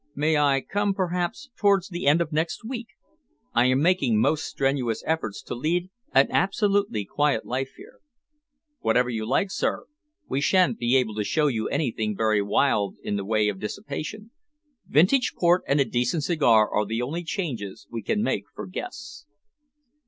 "May I come, perhaps, towards the end of next week? I am making most strenuous efforts to lead an absolutely quiet life here." "Whenever you like, sir. We sha'n't be able to show you anything very wild in the way of dissipation. Vintage port and a decent cigar are the only changes we can make for guests."